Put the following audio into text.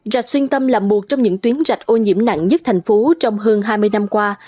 rạch xuyên tâm là một trong những tuyến rạch ô nhiễm nặng nhất thành phố trong hơn hai mươi năm qua